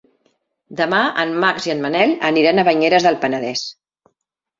Demà en Max i en Manel aniran a Banyeres del Penedès.